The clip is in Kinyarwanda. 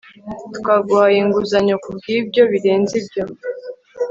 Twaguhaye inguzanyo kubwibyo birenze ibyo